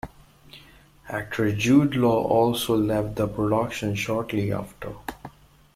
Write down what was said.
Actor Jude Law also left the production shortly after.